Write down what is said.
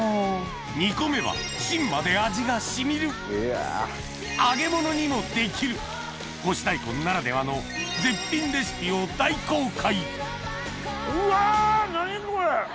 煮込めばしんまで味が染みる揚げ物にもできる干し大根ならではの絶品レシピを大公開